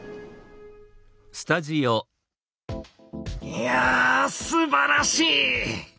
いやすばらしい！